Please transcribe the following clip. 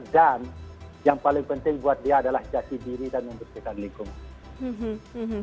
dan yang paling penting buat dia adalah jati diri dan membersihkan lingkungan